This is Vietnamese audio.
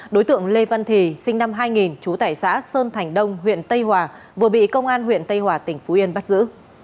đối tượng lê văn thì sinh năm hai nghìn trú tại xã sơn thành đông huyện tây hòa vừa bị công an huyện tây hòa tỉnh phú yên bắt giữ